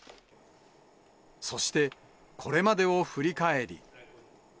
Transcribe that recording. そして、これまでを振り返り。